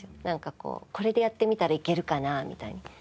なんかこうこれでやってみたらいけるかなみたいな。